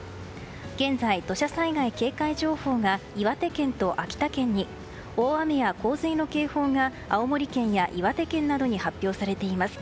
現在、土砂災害警戒情報が岩手県と秋田県に大雨や洪水の警報が青森県や岩手県などに発表されています。